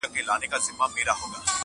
ورته ایښی د مغول د حلوا تال دی!